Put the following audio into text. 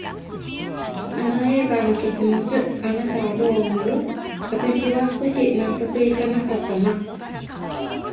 あの映画の結末、あなたはどう思う？私は少し納得いかなかったな。